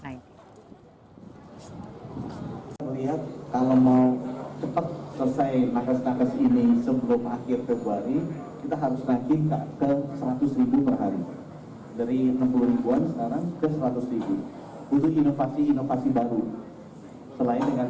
kita lihat kalau mau cepat selesai nakes nakes ini sebelum akhir februari